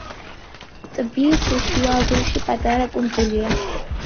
ტბის შუაგულში პატარა კუნძულია.